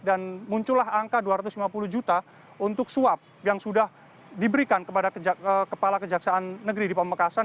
dan muncullah angka dua ratus lima puluh juta untuk suap yang sudah diberikan kepada kepala kejaksaan negeri di pamekasan